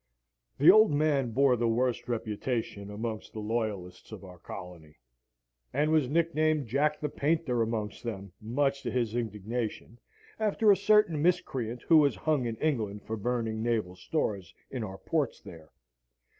The old man bore the worst reputation amongst the Loyalists of our colony; and was nicknamed "Jack the Painter" amongst them, much to his indignation, after a certain miscreant who was hung in England for burning naval stores in our ports there.